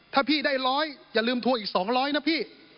ถ้าพี่ได้๑๐๐อย่าลืมทัวร์อีก๒๐๐นะพี่